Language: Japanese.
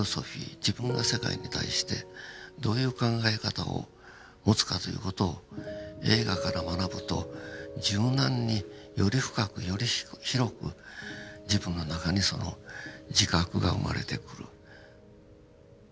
自分が世界に対してどういう考え方を持つかという事を映画から学ぶと柔軟により深くより広く自分の中にその自覚が生まれてくる。